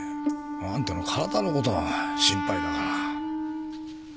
あんたの体のことが心配だから。